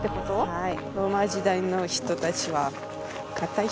はい。